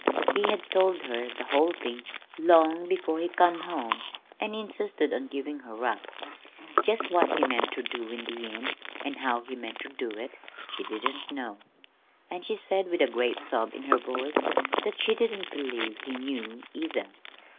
He had told her the whole thing long before he come home, an' insisted on givin' her up. Jest what he meant ter do in the end, an' how he meant ter do it, she didn't know; an' she said with a great sob in her voice, that she didn't believe he knew either.